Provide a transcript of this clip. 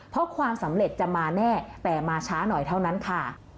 เพราะความสำเร็จจะมาแน่แต่มาช้าหน่อยเท่านั้นค่ะ